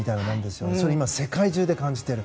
それ、今世界中が感じている。